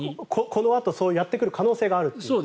このあとやってくる可能性があると。